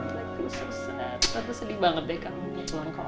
aku sedih banget deh kamu